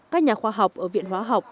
các nhà khoa học ở viện hóa học